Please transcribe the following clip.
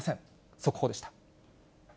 速報でした。